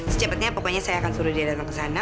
secepatnya pokoknya saya akan suruh dia datang ke sana